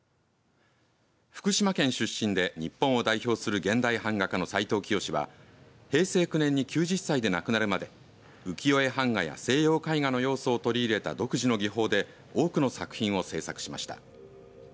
福島県出身で日本を代表する現代版画家の斉藤清は平成９年に９０歳で亡くなるまで浮世絵版画や西洋絵画の要素を取り入れた独自の技法で多くの作品を制作しました。